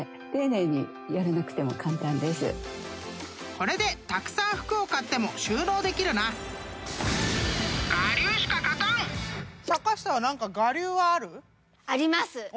［これでたくさん服を買っても収納できるな！］あります！